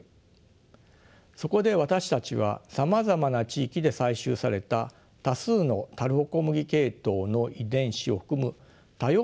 そこで私たちはさまざまな地域で採集された多数のタルホコムギ系統の遺伝子を含む多様なパンコムギを作りました。